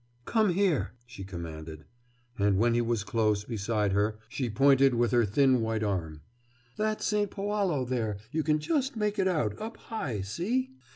"Come here!" she commanded. And when he was close beside her she pointed with her thin white arm. "That's Saint Poalo there—you can just make it out, up high, see.